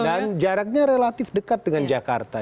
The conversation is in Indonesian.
dan jaraknya relatif dekat dengan jakarta